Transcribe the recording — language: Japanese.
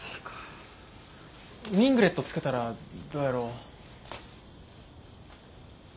ウィングレットつけたらどやろ？